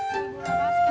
bagaimana sih pak